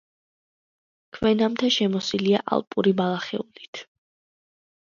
ქვენამთა შემოსილია ალპური ბალახეულით.